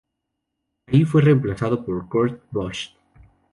Ahí fue reemplazado por Kurt Busch.